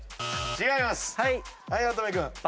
違います。